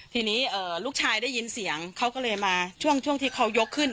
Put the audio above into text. ทีนี้ลูกชายได้ยินเสียงเขาก็เลยมาช่วงที่เขายกขึ้น